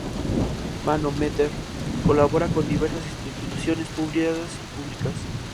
Mann-O-Meter colabora con diversas instituciones privadas y públicas.